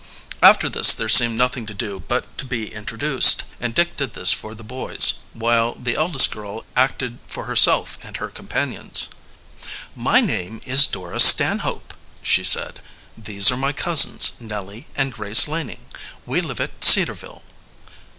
After this there seemed nothing to do but to be introduced, and Dick did this for the boys, while the eldest girl acted for herself and her companions. "My name is Dora Stanhope," she said. "These are my cousins Nellie and Grace Laning. We live at Cedarville."